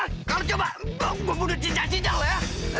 kalo coba gue bunuh cicak cicak lu ya